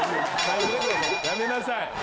やめなさい。